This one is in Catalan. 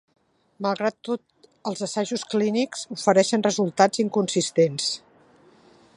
Malgrat tot, els assajos clínic ofereixen resultats inconsistents.